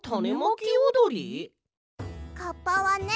カッパはね